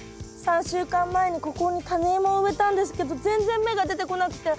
３週間前にここにタネイモを植えたんですけど全然芽が出てこなくて。